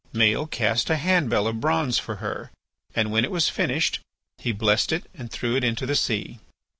Maël cast a hand bell of bronze for her and, when it was finished, he blessed it and threw it into the sea.